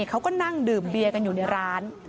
เขาก็นั่งดื่มเบียกันอยู่ในร้าน